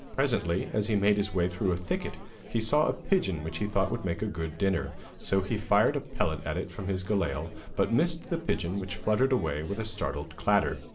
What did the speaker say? Presently, as he made his way through a thicket, he saw a pigeon which he thought would make a good dinner, so he fired a pellet at it from his galail, but missed the pigeon which fluttered away with a startled clatter.